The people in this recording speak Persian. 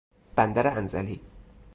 بندر انزلی